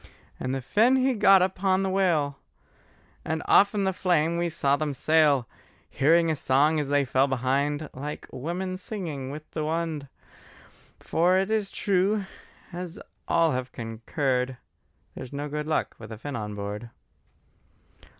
And the Finn he got upon the whale, And off in the flame we saw them sail; Hearing a song as they fell behind, Like women singing with the wind: For it is true, as all have concurred, There's no good luck with a Finn on board.